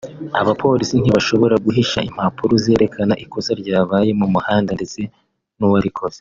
abapolisi ntibashobora guhisha impapuro zerekana ikosa ryabaye mu muhanda ndetse n’uwarikoze